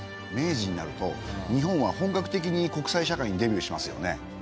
明治になると日本は本格的に国際社会にデビューしますよね。